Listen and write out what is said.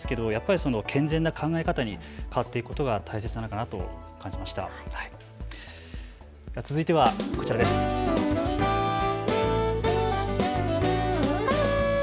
やっぱり健全な考え方に変わっていくことが大切なのかなと感じました。